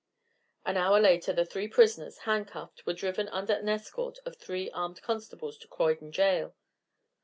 An hour later the three prisoners, handcuffed, were driven under an escort of three armed constables to Croydon Jail.